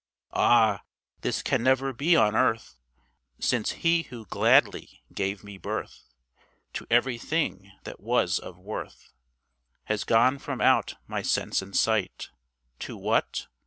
Ah! this can never be on earth, Since he who gladly gave me birth To everything that was of worth Has gone from out my sense and sight, To what?